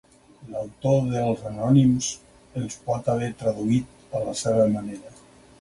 L'autor dels anònims els pot haver traduït a la seva manera.